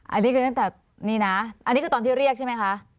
อันนี้คือตอนที่เรียกใช่ไหมคะ